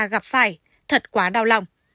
gặp phải thật quá đau lòng